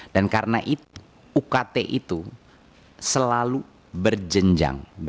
dan karena itu ukt itu selalu berjenjang